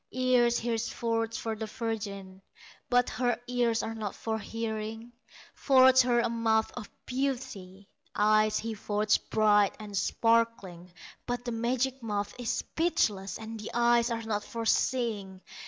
Ears he forges for the virgin, But her ears are not for hearing; Forges her a mouth of beauty, Eyes he forges bright and sparkling; But the magic mouth is speechless, And the eyes are not for seeing.